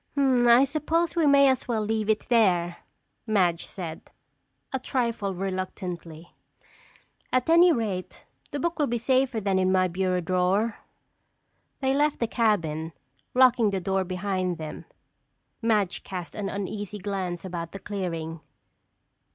"I suppose we may as well leave it there," Madge said, a trifle reluctantly. "At any rate, the book will be safer than in my bureau drawer." They left the cabin, locking the door behind them. Madge cast an uneasy glance about the clearing.